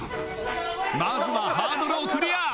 まずはハードルをクリア